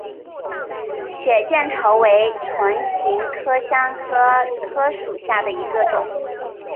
血见愁为唇形科香科科属下的一个种。